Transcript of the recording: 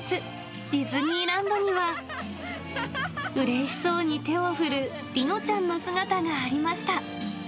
ディズニーランドには、うれしそうに手を振る梨乃ちゃんの姿がありました。